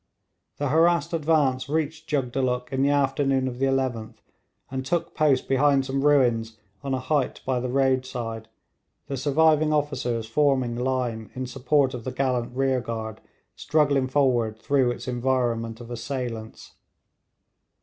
The harassed advance reached Jugdulluk in the afternoon of the 11th, and took post behind some ruins on a height by the roadside, the surviving officers forming line in support of the gallant rear guard struggling forward through its environment of assailants.